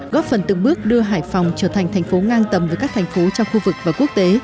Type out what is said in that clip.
góp phần từng bước đưa hải phòng trở thành thành phố ngang tầm với các thành phố trong khu vực và quốc tế